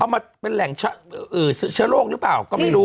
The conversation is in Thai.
มาเป็นแหล่งเชื้อโรคหรือเปล่าก็ไม่รู้